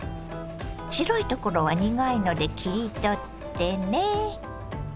白いところは苦いので切り取ってね。